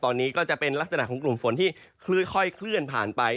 ตอนนี้ก็จะเป็นลักษณะของกลุ่มฝนที่ค่อยเคลื่อนผ่านไป